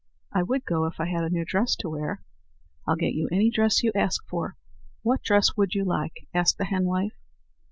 "I would go if I had a new dress to wear." "I'll get you any dress you ask for. What dress would you like?" asked the henwife.